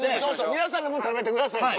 皆さん食べてください。